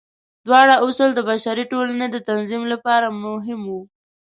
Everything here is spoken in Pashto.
دواړه اصول د بشري ټولنې د تنظیم لپاره مهم وو.